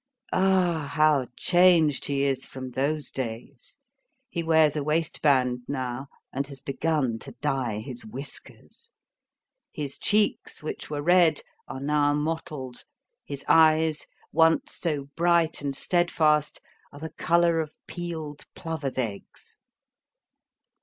Ah! how changed he is from those days! He wears a waistband now, and has begun to dye his whiskers. His cheeks, which were red, are now mottled; his eyes, once so bright and steadfast, are the colour of peeled plovers' eggs.